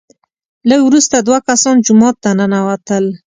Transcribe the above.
لږ وروسته دوه کسان جومات ته ننوتل،